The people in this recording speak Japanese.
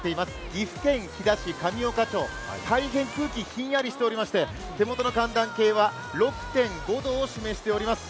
岐阜県飛騨市神岡町大変空気ひんやりしておりまして手元の寒暖計は６．５度を示しております。